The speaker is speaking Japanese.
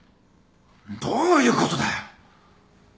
どういうことだよ！？